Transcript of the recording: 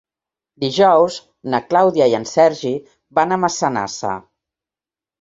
Dijous na Clàudia i en Sergi van a Massanassa.